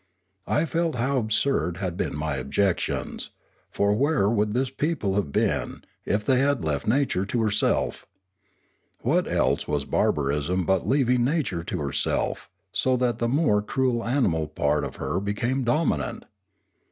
I felt how absurd had been my objections; for where would this people have been, if they had left nature to herself? What else was barbarism but leaving nature to herself, so that the more cruel animal part of her became dominant